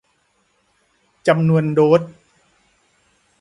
จำนวนโดส